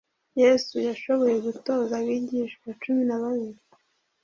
Yesu yashoboye gutoza abigishwa cumi na babiri.